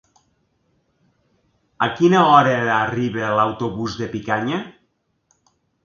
A quina hora arriba l'autobús de Picanya?